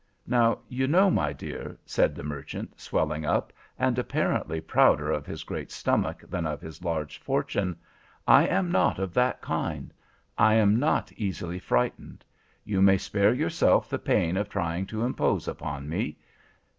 Now, you know, my dear,' said the merchant, swelling up, and apparently prouder of his great stomach than of his large fortune, 'I am not of that kind. I am not easily frightened. You may spare yourself the pain of trying to impose upon me.